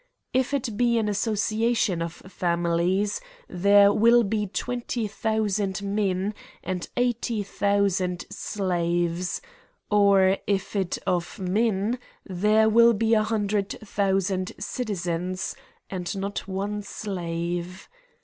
If it be an association of families^ there will be twenty thousand men, and eighty thousand slaves ; or if of meriy there will be an hundred thousand citizens, and not one slave.